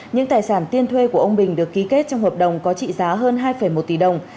những tài sản tiên thuê của ông bình được ký kết trong hợp đồng có trị giá hơn hai một tỷ đồng